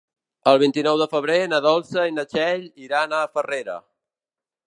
El vint-i-nou de febrer na Dolça i na Txell iran a Farrera.